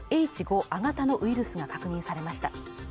Ｈ５亜型のウイルスが確認されました